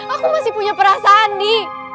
aku masih punya perasaan di